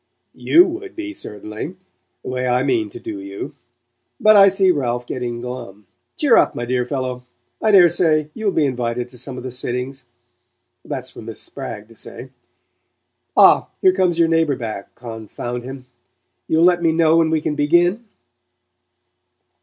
"YOU would be, certainly the way I mean to do you. But I see Ralph getting glum. Cheer up, my dear fellow; I daresay you'll be invited to some of the sittings that's for Miss Spragg to say. Ah, here comes your neighbour back, confound him You'll let me know when we can begin?"